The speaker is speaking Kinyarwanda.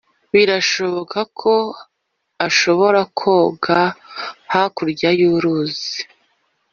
birashoboka ko ashobora koga hakurya y'uruzi.